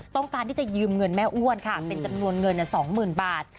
ต้องการที่จะยืมเงินแม่อ้วนค่ะเป็นจำนวนเงิน๒๐๐๐บาท